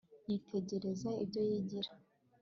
yitegereza ibyo yigira